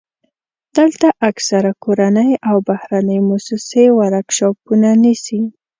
دلته اکثره کورنۍ او بهرنۍ موسسې ورکشاپونه نیسي.